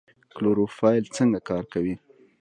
کلوروفیل څنګه کار کوي؟